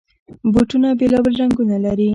بوټونه بېلابېل رنګونه لري.